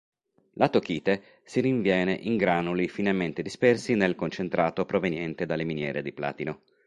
L'atokite si rinviene in granuli finemente dispersi nel concentrato proveniente dalle miniere di platino.